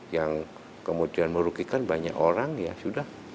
yang kemudian merugikan banyak orang ya sudah